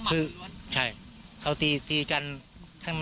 ได้ถึงออกที่คือใช่เขาทำหน้ากลายกระเนิน